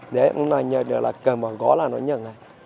đấy nó nhập được là cầm vào gõ là nó nhập ngay